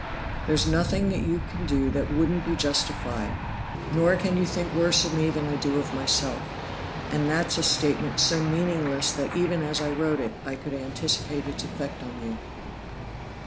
There's nothing you can do that wouldn't be justified, nor can you think worse of me than I do of myself. And that's a statement so meaningless that even as I wrote it, I could anticipate its effect on you.